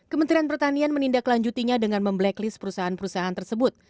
kementerian pertanian menindaklanjutinya dengan memblacklist perusahaan perusahaan tersebut